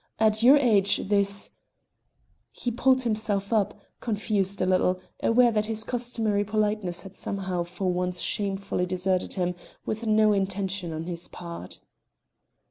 At your age this " He pulled himself up, confused a little, aware that his customary politeness had somehow for once shamefully deserted him with no intention on his part.